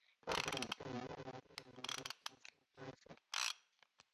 它包含一个明亮的电离氢区发射。